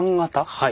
はい。